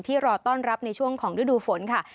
รอต้อนรับในช่วงของฤดูฝนค่ะ